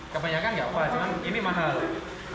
kebanyakan tidak apa apa cuma ini mahal